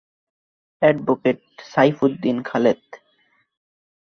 advocate Saifuddin Khaled